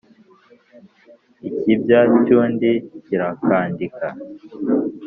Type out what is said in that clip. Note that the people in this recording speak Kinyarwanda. ikibya cy'undi kirakandika